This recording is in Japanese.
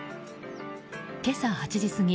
今朝８時過ぎ